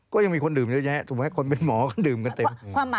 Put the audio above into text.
ก็ยังมีคนดื่มเยอะแยะถูกไหมคนเป็นหมอก็ดื่มกันเต็ม